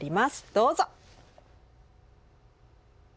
どうぞ！